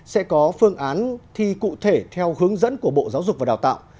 sẽ có phương án thi cụ thể theo hướng dẫn của bộ giáo dục và đào tạo